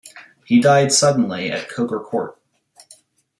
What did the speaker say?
He died suddenly at Coker Court.